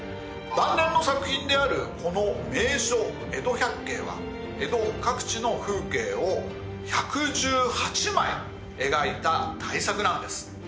晩年の作品であるこの『名所江戸百景』は江戸各地の風景を１１８枚描いた大作なんです。